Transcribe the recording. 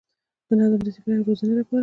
د نظم، ډسپلین او روزنې لپاره